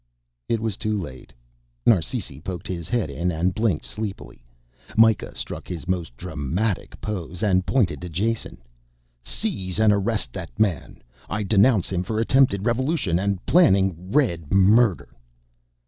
It was too late. Narsisi poked his head in and blinked sleepily; Mikah struck his most dramatic pose and pointed to Jason. "Seize and arrest that man, I denounce him for attempted revolution, for planning red murder!"